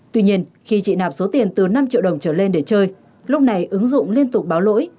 tuy nhiên khi chị nạp số tiền từ năm triệu đồng trở lên để chơi lúc này ứng dụng liên tục báo lỗi